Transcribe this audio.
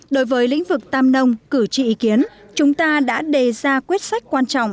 đối với lĩnh vực tam nông cử tri ý kiến chúng ta đã đề ra quyết sách quan trọng